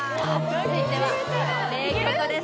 続いては名曲です